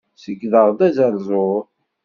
Ṣeyydeɣ-d azeṛzuṛ.